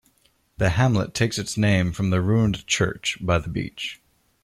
The hamlet takes its name from the ruined church by the beach.